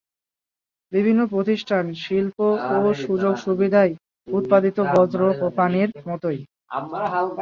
বিভিন্ন প্রতিষ্ঠান, শিল্প ও সুযোগ-সুবিধায় উৎপাদিত বর্জ্য পানির মতোই।